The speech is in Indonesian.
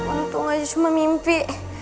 untung aja cuma mimpi